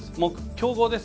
強豪です。